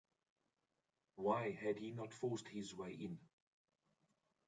Why had he not forced his way in?